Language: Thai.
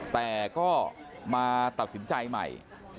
แต่ก็มาตัดสินใจใหม่